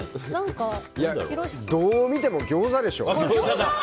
どう見てもギョーザでしょ。